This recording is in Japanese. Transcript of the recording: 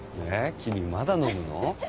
え君まだ飲むの？